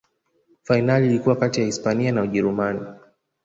fainali ilikuwa kati ya hispania na ujerumani